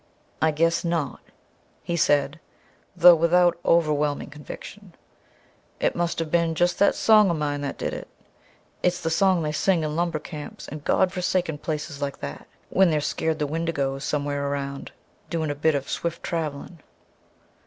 "I guess not," he said, though without overwhelming conviction. "It must've been just that song of mine that did it. It's the song they sing in lumber camps and godforsaken places like that, when they're skeered the Wendigo's somewhere around, doin' a bit of swift traveling.